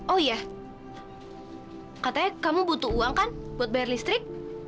oh iya katanya kamu butuh uang kan buat bayar listrik